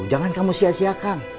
jangan kamu sia siakan